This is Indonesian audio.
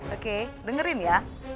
oke dengerin ya